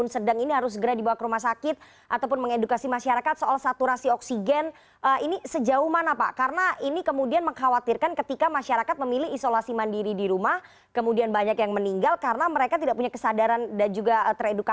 selamat sore mbak rifana